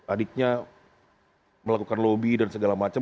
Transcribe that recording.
adiknya melakukan lobby dan segala macam